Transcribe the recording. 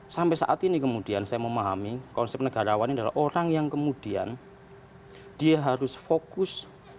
sampai saat ini kemudian saya memahami konsep negarawan ini adalah orang yang kemudian dia harus fokus